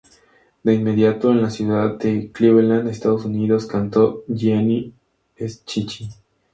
De inmediato en la ciudad de Cleveland, Estados Unidos, cantó Gianni Schicchi.